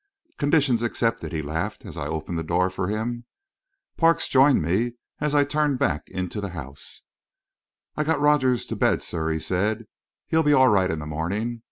"Conditions accepted," he laughed, as I opened the door for him. Parks joined me as I turned back into the house. "I got Rogers to bed, sir," he said. "He'll be all right in the morning.